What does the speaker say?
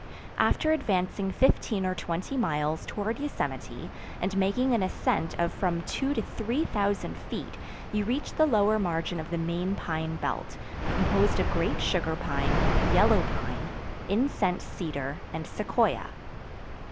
After advancing fifteen or twenty miles towards Yosemite and making an ascent of from two to three thousand feet you reach the lower margin of the main pine belt, composed of great sugar pine, yellow pine, incense cedar and sequoia.